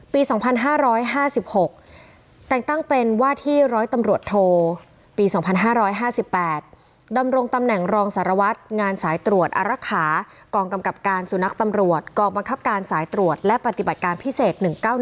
ปี๒๕๕๖แต่งตั้งเป็นว่าที่ร้อยตำรวจโทปี๒๕๕๘ดำรงตำแหน่งรองสารวัตรงานสายตรวจอารักษากองกำกับการสุนัขตำรวจกองบังคับการสายตรวจและปฏิบัติการพิเศษ๑๙๑